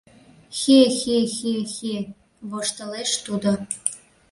— Хе-хе-хе-хе! — воштылеш тудо.